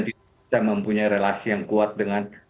kita mempunyai relasi yang kuat dengan